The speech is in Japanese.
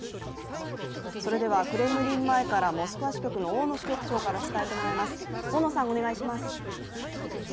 それではクレムリン前からモスクワ支局の大野さんに伝えてもらいます。